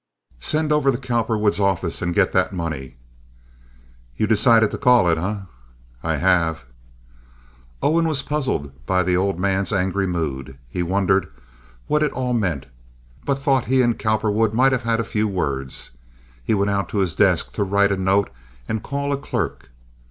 "Send over to Cowperwood's office and get that money." "You decided to call it, eh?" "I have." Owen was puzzled by the old man's angry mood. He wondered what it all meant, but thought he and Cowperwood might have had a few words. He went out to his desk to write a note and call a clerk.